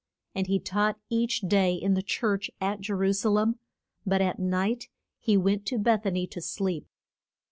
And he taught each day in the church at Je ru sa lem, but at night he went to Beth a ny to sleep.